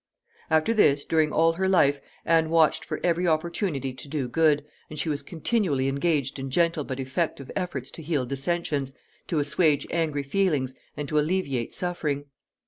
After this, during all her life, Anne watched for every opportunity to do good, and she was continually engaged in gentle but effective efforts to heal dissensions, to assuage angry feelings, and to alleviate suffering.